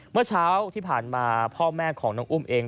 เมื่อเช้าที่ผ่านมาพ่อแม่ของน้องอุ้มเอง